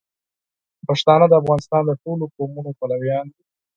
پښتانه د افغانستان د ټولو قومونو پلویان دي.